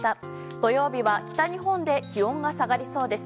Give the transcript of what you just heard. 土曜日は北日本で気温が下がりそうです。